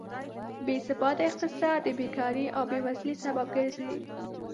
بېثباته اقتصاد د بېکارۍ او بېوزلۍ سبب ګرځي.